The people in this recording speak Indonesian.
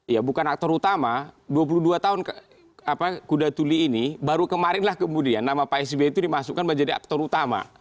ya bukan aktor utama dua puluh dua tahun kuda tuli ini baru kemarin lah kemudian nama pak sby itu dimasukkan menjadi aktor utama